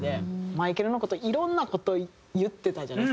マイケルの事いろんな事言ってたじゃないですか。